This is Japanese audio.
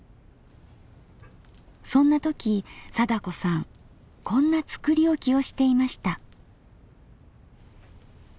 そんな時貞子さんこんな作り置きをしていました。